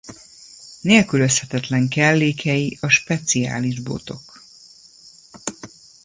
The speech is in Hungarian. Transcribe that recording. Nélkülözhetetlen kellékei a speciális botok.